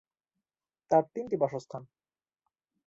তাঁর তিনটি বাসস্থান।